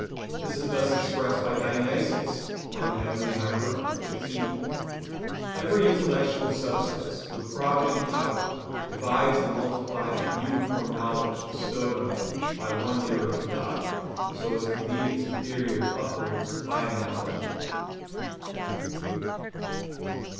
This is thus expressed by Dionysius (Coel. Hier. xv): "Every intellectual substance with provident power divides and multiplies the uniform knowledge bestowed on it by one nearer to God, so as to lead its inferiors upwards by analogy."